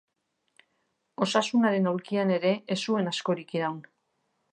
Osasunaren aulkian ere ez zuen askorik iraun.